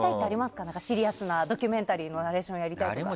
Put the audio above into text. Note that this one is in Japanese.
シリアスなドキュメントとかでナレーションやりたいとかありますか？